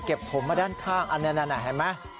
เก็บผมมาด้านข้างอันนั้นไหน